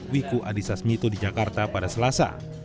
wiku adhisa smito di jakarta pada selasa